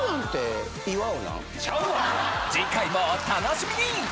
次回もお楽しみに！